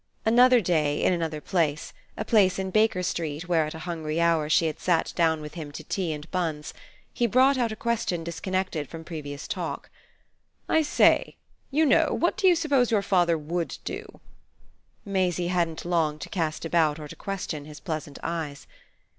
Another day, in another place a place in Baker Street where at a hungry hour she had sat down with him to tea and buns he brought out a question disconnected from previous talk. "I say, you know, what do you suppose your father WOULD do?" Maisie hadn't long to cast about or to question his pleasant eyes.